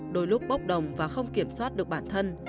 đôi lúc bốc đồng và không kiểm soát được bản thân